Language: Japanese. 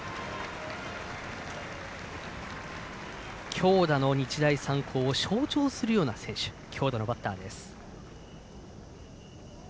強打の日大三高を象徴するような選手強打のバッターです。